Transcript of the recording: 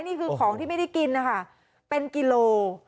นี่คือของที่ไม่ได้กินนะคะเป็นกิโล